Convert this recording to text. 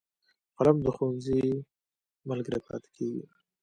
قلم د ښوونځي ملګری پاتې کېږي